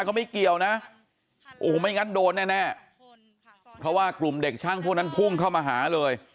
เขาไม่เกี่ยวนะโอ้โหไม่งั้นโดนแน่เพราะว่ากลุ่มเด็กช่างพวกนั้นพุ่งเข้ามาหาเลย